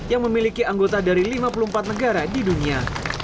yang memiliki anggota dari lima puluh empat negara di dunia